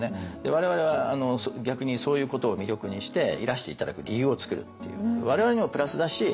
我々は逆にそういうことを魅力にしていらして頂く理由を作るっていう。